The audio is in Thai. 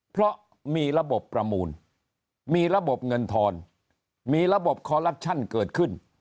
เพราะมีระบบประมูลมีระบบเงินทอนมีระบบคอลลัปชั่นเกิดขึ้น